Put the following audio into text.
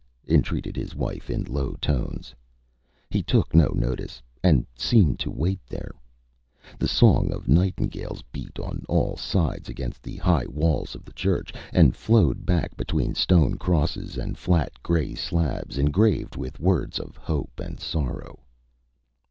Â entreated his wife in low tones. He took no notice, and seemed to wait there. The song of nightingales beat on all sides against the high walls of the church, and flowed back between stone crosses and flat gray slabs, engraved with words of hope and sorrow.